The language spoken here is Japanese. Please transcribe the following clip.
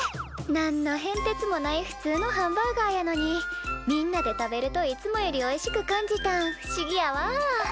何の変てつもないふつうのハンバーガーやのにみんなで食べるといつもよりおいしく感じたん不思議やわ。